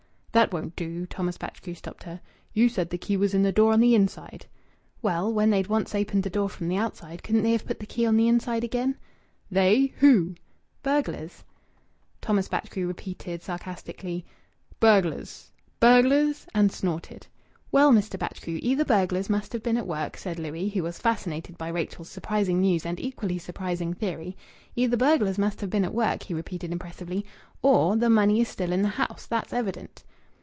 "That won't do," Thomas Batchgrew stopped her. "You said the key was in the door on the inside." "Well, when they'd once opened the door from the outside, couldn't they have put the key on the inside again?" "They? Who?" "Burglars." Thomas Batchgrew repeated sarcastically "Burglars! Burglars!" and snorted. "Well, Mr. Batchgrew, either burglars must have been at work," said Louis, who was fascinated by Rachel's surprising news and equally surprising theory "either burglars must have been at work," he repeated impressively, "or the money is still in the house. That's evident."